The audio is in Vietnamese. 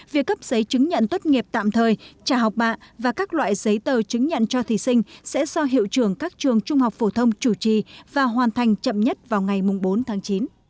việc cấp giấy chứng nhận tốt nghiệp tạm thời trả học bạ và các loại giấy tờ chứng nhận cho thí sinh sẽ do hiệu trưởng các trường trung học phổ thông chủ trì và hoàn thành chậm nhất vào ngày bốn tháng chín